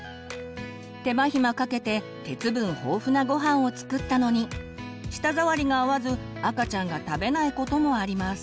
手間暇かけて鉄分豊富なごはんを作ったのに舌触りが合わず赤ちゃんが食べないこともあります。